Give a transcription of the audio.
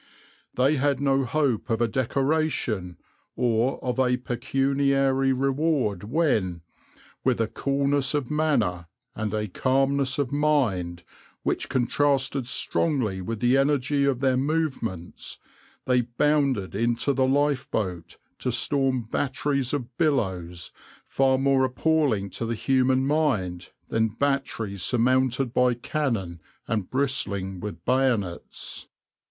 They had no hope of a decoration or of a pecuniary reward when, with a coolness of manner and a calmness of mind which contrasted strongly with the energy of their movements, they bounded into the lifeboat to storm batteries of billows far more appalling to the human mind than batteries surmounted by cannon and bristling with bayonets.